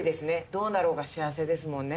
どうなろうが幸せですもんね。